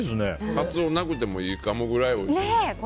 カツオなくてもいいかもくらいおいしい。